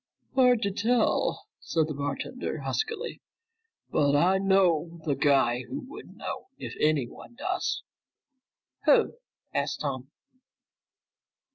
"Hard to tell," said the bartender huskily. "But I do know the guy who would know if anyone does." "Who?" asked Tom.